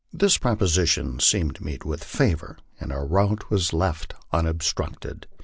This proposition seemed to meet with favor, and our route was left unobstructed.